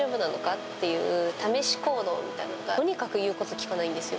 っていう試し行動みたいなのが、とにかく言うこと聞かないんですよ。